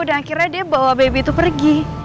dan akhirnya dia bawa bayi itu pergi